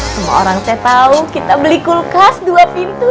semua orang teh tau kita beli kulkas dua pintu